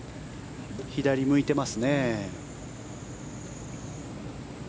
左、向いていますね。